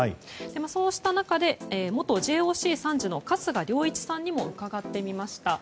そうした中で元ＪＯＣ参事の春日良一さんにも伺ってみました。